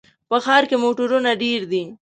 په ښار کې موټرونه ډېر دي.